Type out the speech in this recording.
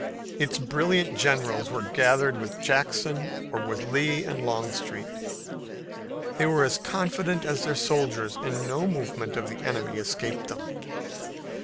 Its brilliant generals were gathered with Jackson or with Lee and Longstreet. They were as confident as their soldiers and no movement of the enemy escaped them.